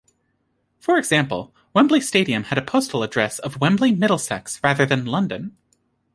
For example, Wembley Stadium had a postal address of "Wembley, Middlesex" rather than "London".